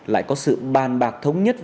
lại có sự bàn bạc thống nhất